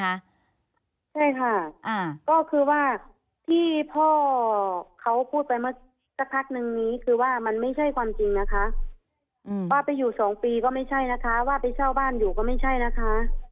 ใช่ค่ะอ่าก็คือว่าที่พ่อเขาพูดไปเมื่อสักพักนึงนี้คือว่ามันไม่ใช่ความจริงนะคะว่าไปอยู่สองปีก็ไม่ใช่นะคะว่าไปเช่าบ้านอยู่ก็ไม่ใช่นะคะ